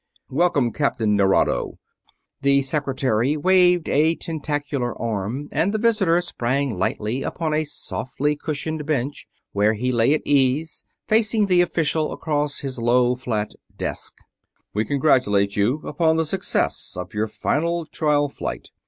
"Welcome, Captain Nerado!" The Secretary waved a tentacular arm and the visitor sprang lightly upon a softly cushioned bench, where he lay at ease, facing the official across his low, flat "desk." "We congratulate you upon the success of your final trial flight.